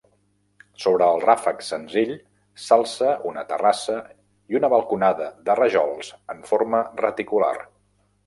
Sobre el ràfec senzill s'alça una terrassa i una balconada de rajols en forma reticular.